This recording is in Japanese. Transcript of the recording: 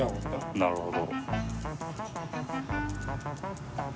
なるほど。